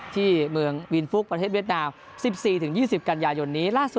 ที่เมืองวินฟุกประเทศเวียดนาว๑๔ถึง๒๐กันยาวนี้